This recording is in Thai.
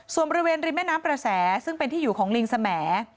ส่วนบริเวณริมแม่น้ำประแสซึ่งเป็นที่อยู่ของลิงสม